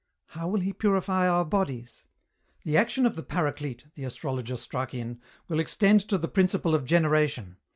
"How will he purify our bodies?" "The action of the Paraclete," the astrologer struck in, "will extend to the principle of generation.